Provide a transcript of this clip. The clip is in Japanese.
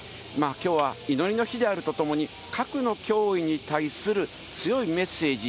きょうは祈りの日であるとともに、核の脅威に対する強いメッセージ。